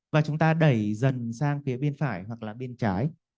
và chúng ta đẩy dần sang phía bên phải hoặc là bên trái